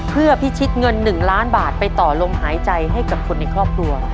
เพื่อพิชิตเงิน๑ล้านบาทไปต่อลมหายใจให้กับคนในครอบครัว